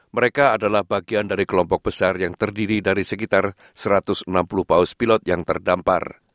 mereka adalah bagian dari kelompok besar yang terdiri dari sekitar satu ratus enam puluh paus pilot yang terdampar